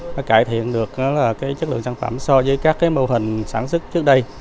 nó cải thiện được chất lượng sản phẩm so với các cái mô hình sản xuất trước đây